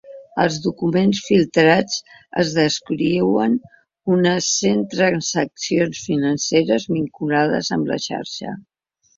Als documents filtrats es descriuen unes cent transaccions financeres vinculades amb la xarxa.